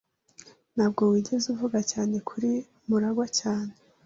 Ntabwo wigeze uvuga cyane kuri Murangwa cyane.